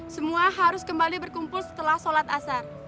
semua harus kembali berkumpul setelah sholat asar